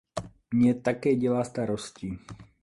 Mě také dělá starosti.